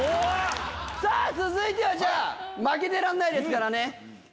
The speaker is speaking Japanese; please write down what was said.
続いてはじゃあ負けてられないですからね。